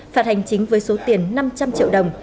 phạt hành chính với số tiền năm trăm linh triệu đồng